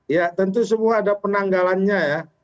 ya tentu semua ada penanggalannya ya